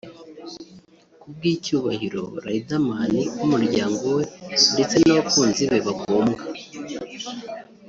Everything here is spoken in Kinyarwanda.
ko ku bw'icyubahiro Riderman n'umuryango we ndetse n'abakunzi be bagombwa